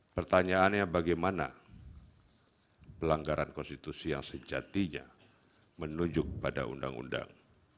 pertanyaannya bagaimana pelanggaran konstitusi yang sejatinya menunjuk pada undang undang